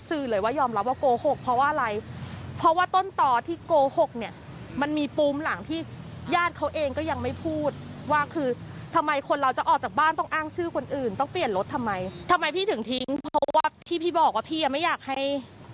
ทำไมพี่ถึงทิ้งเพราะว่าที่พี่บอกว่าพี่ไม่อยากให้